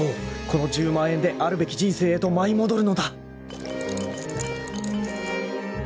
［この１０万円であるべき人生へと舞い戻るのだ］